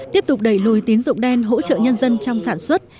tiếp tục đẩy lùi tín dụng đen hỗ trợ nhân dân trong sản xuất